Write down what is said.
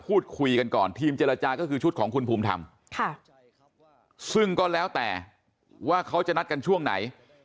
พูดคุยกันก่อนทีมเจรจาก็คือชุดของคุณภูมิธรรมค่ะซึ่งก็แล้วแต่ว่าเขาจะนัดกันช่วงไหน